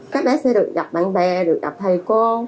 các bé sẽ được gặp bạn bè được gặp thầy cô